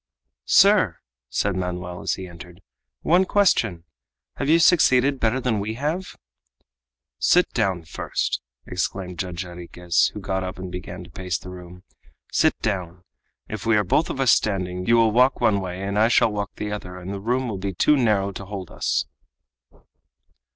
"Sir," said Manoel as he entered, "one question! Have you succeeded better than we have?" "Sit down first," exclaimed Judge Jarriquez, who got up and began to pace the room. "Sit down. If we are both of us standing, you will walk one way and I shall walk the other, and the room will be too narrow to hold us."